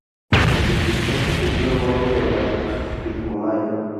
Su prisión lo cumplió a bordo de la "Pilcomayo".